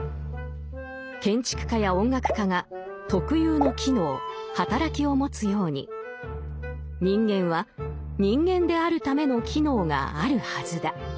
建築家や音楽家が特有の機能働きを持つように人間は人間であるための機能があるはずだ。